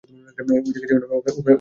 ঐদিকে যেও না, ওখানে একটা গুন্ডা আছে।